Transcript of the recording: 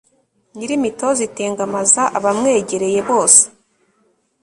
nyirimitozo itengamaza abamwegereye bose